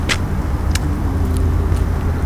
উনি ফেরত আসলে কী হবে, মিমি?